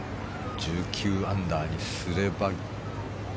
１９アンダーにすれば。